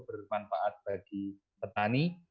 bermanfaat bagi petani